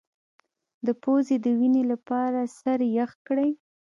د پوزې د وینې لپاره سر یخ کړئ